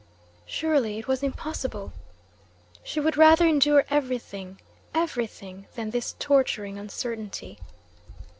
Surely it was impossible. She would rather endure everything, everything, than this torturing uncertainty.